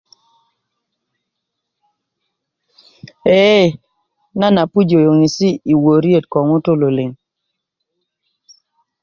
ee nan a pujö yöŋesi i wöriet ko ŋutu liŋ